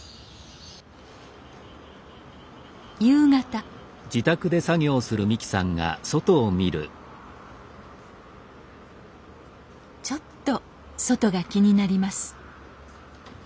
夕方ちょっと外が気になります